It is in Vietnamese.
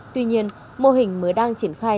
tuy nhiên mô hình mới đang triển thức